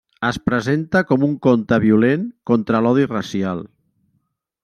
Es presenta com un conte violent contra l'odi racial.